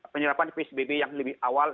penyerapan psbb yang lebih awal